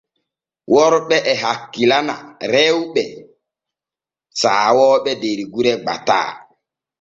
Worɓe e hakkilana rewɓe saawuɓe der gure gbataa.